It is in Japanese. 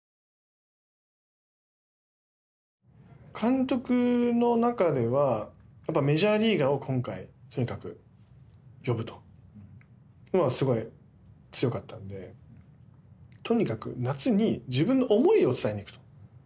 監督の中ではやっぱメジャーリーガーを今回とにかく呼ぶというのはすごい強かったんでとにかく夏に自分の思いを伝えに行くと。